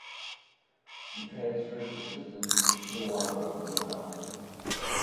He transfers the sickness to the water of the well.